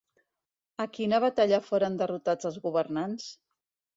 A quina batalla foren derrotats els governants?